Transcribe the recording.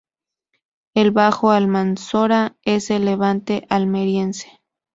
El Bajo Almanzora es el Levante Almeriense.